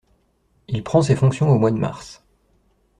Il prend ses fonctions au mois de mars.